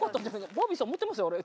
バービーさん持ってますよあれ。